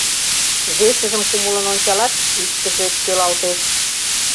Весыжым кумылын ончалат — иктыже ӧпкелалтеш.